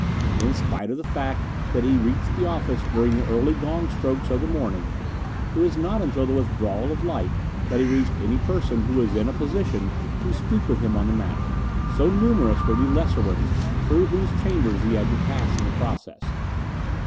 In spite of the fact that he reached the office during the early gong strokes of the morning, it was not until the withdrawal of light that he reached any person who was in a position to speak with him on the matter, so numerous were the lesser ones through whose chambers he had to pass in the process.